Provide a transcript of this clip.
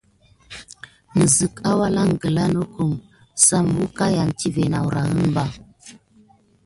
Nəzek alangla nokum sam əkayan tive nawrahən ɓa.